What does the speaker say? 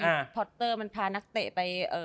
พอตเตอร์มันพานักเตะไป